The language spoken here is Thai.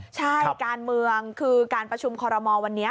ใช่การเมืองคือการประชุมคอรมอลวันนี้